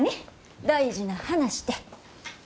大事な話て。